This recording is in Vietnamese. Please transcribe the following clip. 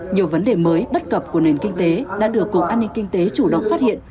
nhiều vấn đề mới bất cập của nền kinh tế đã được cục an ninh kinh tế chủ động phát hiện